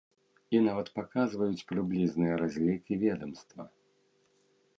І нават паказваюць прыблізныя разлікі ведамства.